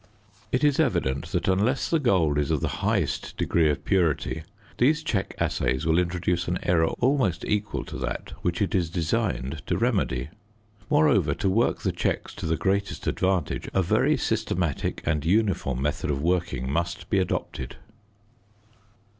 It is evident that unless the gold is of the highest degree of purity these check assays will introduce an error almost equal to that which it is designed to remedy. Moreover, to work the checks to the greatest advantage, a very systematic and uniform method of working must be adopted.